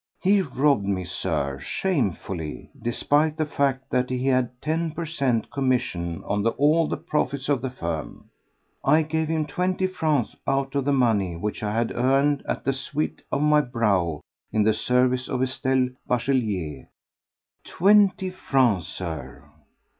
He robbed me, Sir, shamefully, despite the fact that he had ten per cent, commission on all the profits of the firm. I gave him twenty francs out of the money which I had earned at the sweat of my brow in the service of Estelle Bachelier. Twenty francs, Sir!